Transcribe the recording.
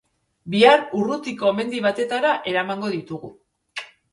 Bihar urrutiko mendi batetara eramango ditugu.